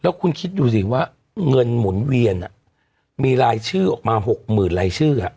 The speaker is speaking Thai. แล้วคุณคิดดูสิว่าเงินหมุนเวียนอ่ะมีลายชื่อออกมาหกหมื่นลายชื่ออ่ะ